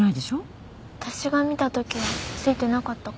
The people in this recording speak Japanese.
私が見たときは付いてなかったから。